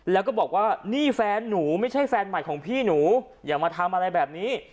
แล้วก็บอกว่านี่แฟนหนูไม่ใช่แฟนใหม่ของพี่หนูอย่ามาทำอะไรแบบนี้